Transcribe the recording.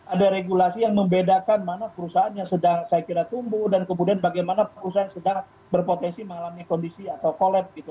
ada regulasi yang membedakan mana perusahaan yang sedang saya kira tumbuh dan kemudian bagaimana perusahaan sedang berpotensi mengalami kondisi atau collab gitu